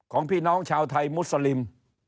ของพี่น้องชาวไทยมุสลิม